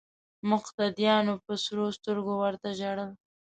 مقتدیانو په سرو سترګو ورته ژړل.